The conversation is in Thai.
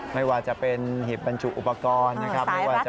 ไม่ว่าจะเป็นหีบบรรจุอุปกรณ์นะครับ